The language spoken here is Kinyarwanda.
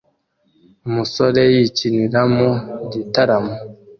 Umusore yikinira mu gitaramo